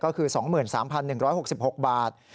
ก็คือ๒๓๑๖๖บาท